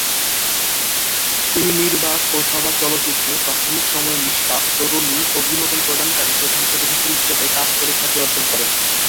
তিনি নির্বাক ও সবাক চলচ্চিত্রের প্রাথমিক সময়ে নিষ্পাপ, তরুণী ও বিনোদন প্রদানকারী প্রধান অভিনেত্রী হিসেবে কাজ করে খ্যাতি অর্জন করেন।